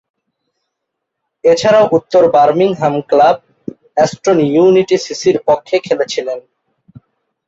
এছাড়াও উত্তর Birmingham club, Aston Unity সিসি’র পক্ষে খেলেছিলেন।